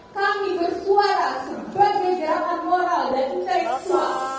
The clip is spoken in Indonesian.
kami bersuara sebagai garang moral dan intelektual